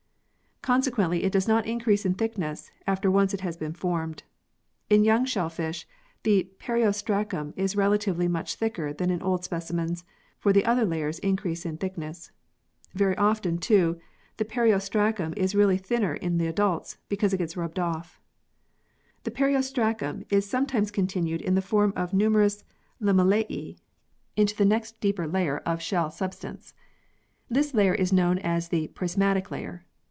Consequently it does not increase in thickness after once it has been formed. In young shellfish the periostracum is relatively much thicker than in old specimens, for the other layers increase in thickness. Very often, too, the peri ostracum is really thinner in the adults, because it gets rubbed off. The periostracum is sometimes continued in the form of numerous lamellae, into the next deeper 22 PEARLS [CH. layer of shell substance. This layer is known as the Prismatic layer.